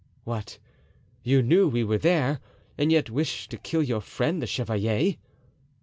"What! you knew we were there and yet wished to kill your friend the chevalier?"